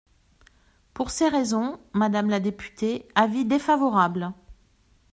Pour ces raisons, madame la députée, avis défavorable.